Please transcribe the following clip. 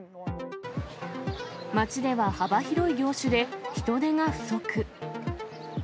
町では幅広い業種で人手が不足。